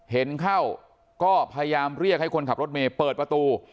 เห็นเข้าก็พยายามเรียกให้คนขับรถเมย์เปิดประตู